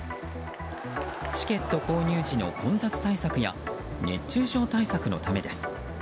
チケット購入時の混雑対策や熱中症対策のためです。